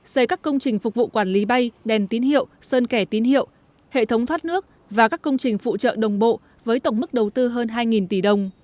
xây các công trình phục vụ quản lý bay đèn tín hiệu sơn kẻ tín hiệu hệ thống thoát nước và các công trình phụ trợ đồng bộ với tổng mức đầu tư hơn hai tỷ đồng